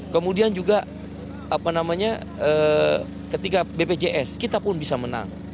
kemudian juga ketika bpjs kita pun bisa menang